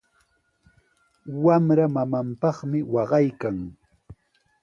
Wamra mamanpaqmi waqaykan.